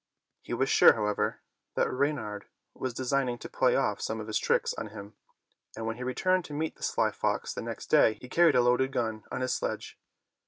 He was sure, however, that Reynard was 174 Fairy Tale Bears designing to play oflF some of his tricks on him, and when he returned to meet the sly fox the next day he carried a loaded gun on his sledge.